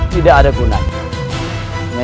tidak ada gunanya